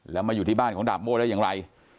แล้วมาอยู่ที่บ้านของดาบโม่ได้อย่างไร